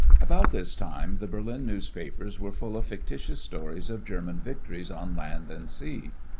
About this time the Berlin newspapers were full of fictitious stories of German victories on land and sea.